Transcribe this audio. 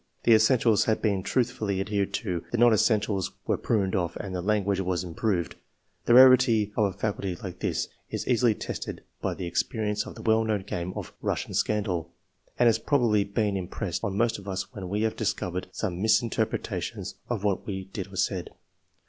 The essentials had been truthfully adhered to ; the non essentials were pruned off and the language was improved. Tlie rarity of a faculty like this is easily tested by the experience of the well known game of '^ Russian Scandal," and has probably been impressed on most of us when we have discovered some misrepresentation of what we did or said.